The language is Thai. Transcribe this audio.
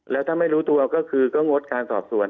แล้วถ้าไม่รู้ตัวก็คือก็งดการสอบสวน